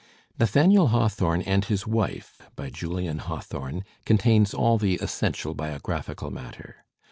"Nathaniel Hawthorne and His Wife/* by Julian Haw thorne contains all the essential biographical matter.